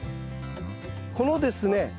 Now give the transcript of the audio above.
このですね